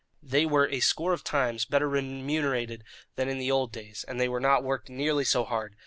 They were a score of times better remunerated than in the old days, and they were not worked nearly so hard.